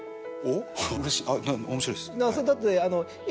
おっ。